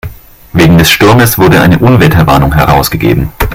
Wegen des Sturmes wurde eine Unwetterwarnung herausgegeben.